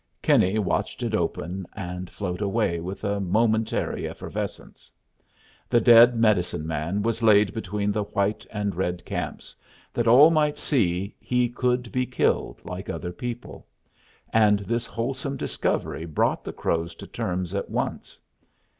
Kinney watched it open and float away with a momentary effervescence. The dead medicine man was laid between the white and red camps, that all might see he could be killed like other people; and this wholesome discovery brought the Crows to terms at once.